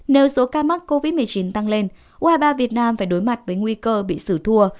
nếu số ca mắc covid một mươi chín tăng lên u hai mươi ba việt nam phải đối mặt với nguy cơ bị xử thua